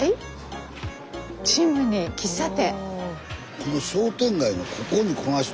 この商店街のここにこないして。